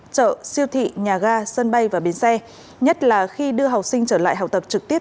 chợ siêu thị nhà ga sân bay và bến xe nhất là khi đưa học sinh trở lại học tập trực tiếp